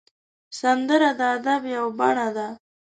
سندره د ادب یو بڼه ده